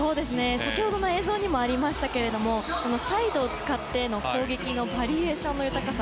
先ほどの映像にもありましたがサイドを使っての攻撃のバリエーションの豊かさ。